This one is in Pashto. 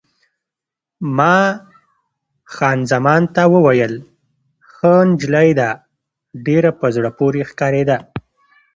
ما خان زمان ته وویل: ښه نجلۍ ده، ډېره په زړه پورې ښکارېده.